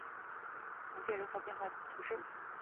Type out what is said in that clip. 芒谢人口变化图示